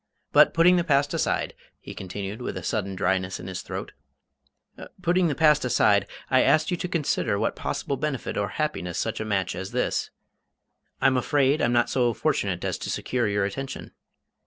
But, putting the past aside," he continued, with a sudden dryness in his throat; "putting the past aside, I ask you to consider what possible benefit or happiness such a match as this I'm afraid I'm not so fortunate as to secure your attention?"